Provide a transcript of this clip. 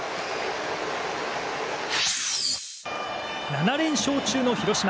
７連勝中の広島。